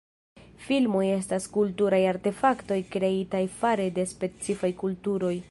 Filmoj estas kulturaj artefaktoj kreitaj fare de specifaj kulturoj.